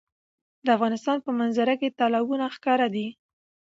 د افغانستان په منظره کې تالابونه ښکاره ده.